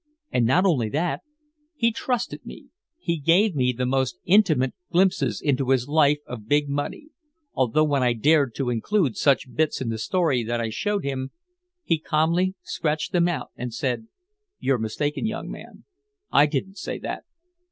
And not only that, he trusted me, he gave me the most intimate glimpses into this life of big money, although when I dared to include such bits in the story that I showed him he calmly scratched them out and said: "You're mistaken, young man. I didn't say that."